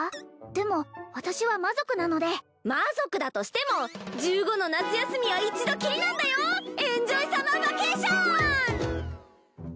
でも私は魔族なので魔族だとしても１５の夏休みは一度きりなんだよエンジョイサマーバケーション！